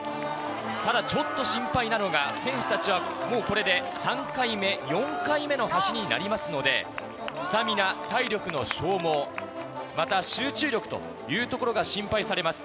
ただ、ちょっと心配なのが、選手たちはもうこれで３回目、４回目の走りになりますので、スタミナ、体力の消耗、また集中力というところが心配されます。